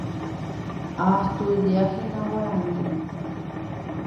Astudiahína guarani.